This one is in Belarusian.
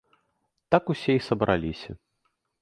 Так усе і сабраліся.